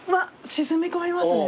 沈み込みますね。